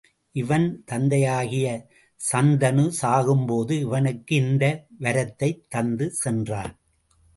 இவன் தந்தையாகிய சந்தனு சாகும்போது இவனுக்கு இந்த வரத்தைத் தந்து சென்றான்.